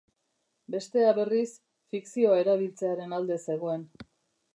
Bestea, berriz, fikzioa erabiltzearen alde zegoen.